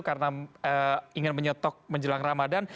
karena ingin menyetok menjelang ramadhan